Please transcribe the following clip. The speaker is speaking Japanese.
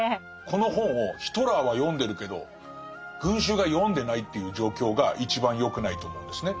この本をヒトラーは読んでるけど群衆が読んでないっていう状況が一番よくないと思うんですね。